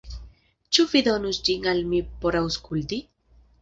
Ĉu vi donus ĝin al mi por aŭskulti?